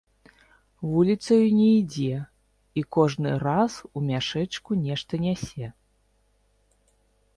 Вуліцаю не ідзе, і кожны раз у мяшэчку нешта нясе.